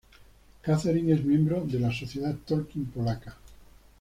Catherine es miembro de la Sociedad Tolkien Polaca.